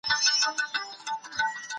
تر هغه وخته پوري صبر وکړه چي کار خلاص سي.